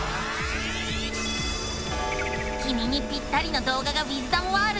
きみにぴったりの動画がウィズダムワールドにあらわれた！